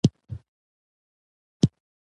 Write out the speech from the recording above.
د جهادي حاکمیت د جنتي علایمو نوې تماشه به وي.